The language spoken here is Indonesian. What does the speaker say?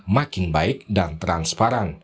makin baik dan transparan